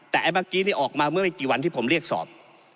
แต่ไอ้เมื่อกี้นี่ออกมาเมื่อไม่กี่วันที่ผมเรียกสอบ